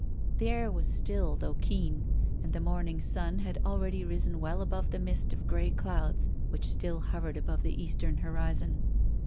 The air was still though keen, and the morning sun had already risen well above the mist of grey clouds which still hovered above the eastern horizon.